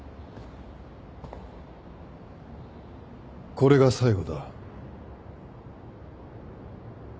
これが最後だ。